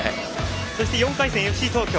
そして４回戦、ＦＣ東京。